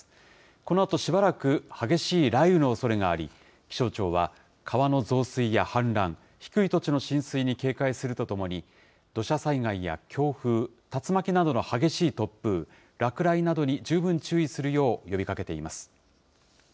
このあとしばらく激しい雷雨のおそれがあり、気象庁は川の増水や氾濫、低い土地の浸水に警戒するとともに、土砂災害や強風、竜巻などの激しい突風、落雷などに十分注意するよう呼びかけています。